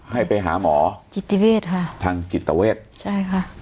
ให้ไปหาหมอจิตเวทค่ะทางจิตเวทใช่ค่ะ